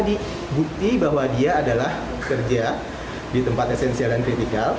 kita juga bisa menggunakan penumpang yang diberikan ke tempat esensial dan kritikal